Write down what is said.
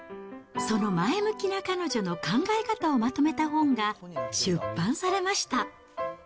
その前向きな彼女の考え方をまとめた本が出版されました。